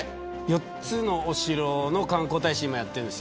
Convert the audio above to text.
４つのお城の観光大使をやっています。